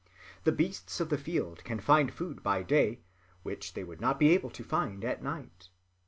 The beasts of the field can find food by day which they would not be able to find at night.